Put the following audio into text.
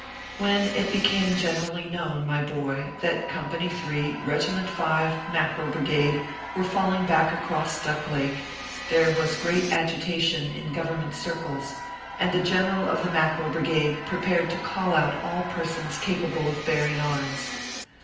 When it became generally known, my boy, that Company 3, Regiment 5, Mackerel Brigade, were falling back across Duck Lake, there was great agita tion in Government circles, and the general of the Mackerel Brigade prepared to call out all persons capable of bearing arms.